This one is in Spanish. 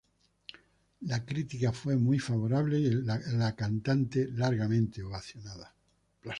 La crítica fue muy favorable y la cantante largamente ovacionada.